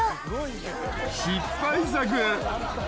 失敗作。